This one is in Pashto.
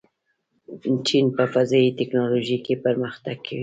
چین په فضايي تکنالوژۍ کې پرمختګ کوي.